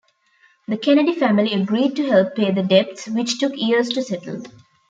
The Kennedy family agreed to help pay the debts, which took years to settle.